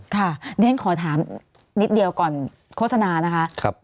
ค่ะเรียนขอถามนิดเดียวก่อนโฆษณานะคะ